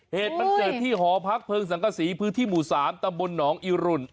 เหตุมันเกิดที่หอพักเพลิงสังกษีพื้นที่หมู่๓ตำบลหนองอิรุณ